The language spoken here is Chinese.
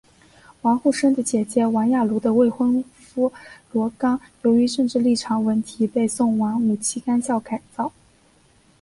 王沪生的姐姐王亚茹的未婚夫罗冈由于政治立场问题被送往五七干校改造。